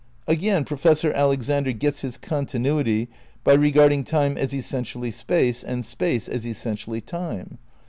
Again, Professor Alexander gets his continuity by regarding Time as essentially Space, and Space as essentially Time.